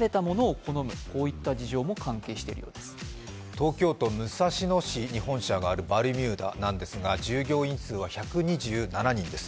東京都武蔵野市に本社があるバルミューダなんですが、従業員数は１２７人です。